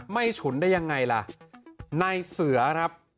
ฉุนได้ยังไงล่ะนายเสือครับ